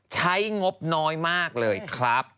งบน้อยมากเลยครับ